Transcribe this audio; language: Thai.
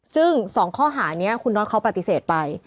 ซึ่ง๒ข้อหานี้คุณน็อตเขาปฏิเสธไป